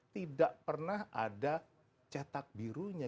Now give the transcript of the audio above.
tidak pernah ada cetak birunya